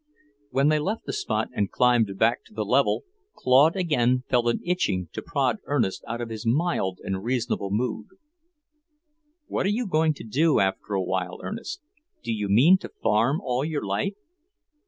When they left the spot and climbed back to the level, Claude again felt an itching to prod Ernest out of his mild and reasonable mood. "What are you going to do after a while, Ernest? Do you mean to farm all your life?"